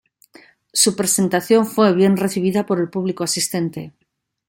Su presentación fue bien recibida por el público asistente.